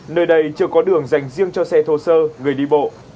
nơi đây chưa có đường dành riêng cho xe thô sơ người đi bộ